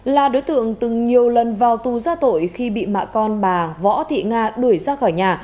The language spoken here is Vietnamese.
là đối tượng từng nhiều lần vào tù ra tội khi bị mẹ con bà võ thị nga đuổi ra khỏi nhà